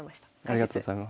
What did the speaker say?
ありがとうございます。